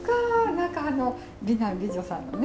何か美男美女さんのね